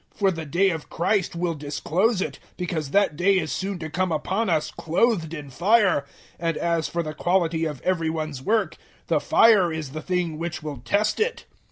For the day of Christ will disclose it, because that day is soon to come upon us clothed in fire, and as for the quality of every one's work the fire is the thing which will test it.